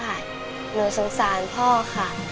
หนูสงสารพ่อค่ะ